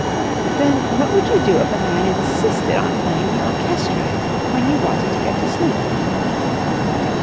"Then what would you do if a man insisted on playing the orchestrion when you wanted to get to sleep?"